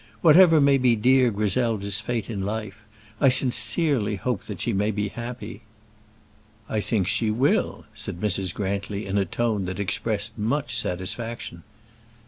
Whatever may be dear Griselda's fate in life, I sincerely hope that she may be happy." "I think she will," said Mrs. Grantly, in a tone that expressed much satisfaction.